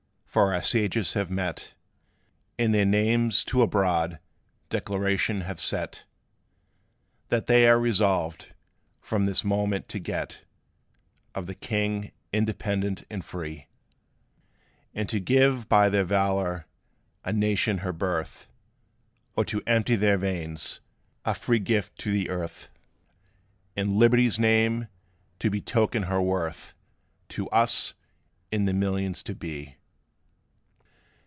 for our Sages have met, And their names to a broad Declaration have set, That they are resolved, from this moment, to get Of the king independent and free; And to give by their valor a nation her birth, Or to empty their veins, a free gift to the earth, In Liberty's name, to betoken her worth To us and the millions to be.